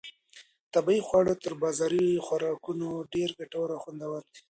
طبیعي خواړه تر بازاري خوراکونو ډېر ګټور او خوندور دي.